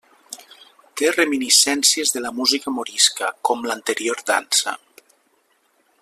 Té reminiscències de la música morisca, com l'anterior dansa.